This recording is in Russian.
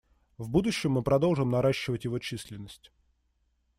В будущем мы продолжим наращивать его численность.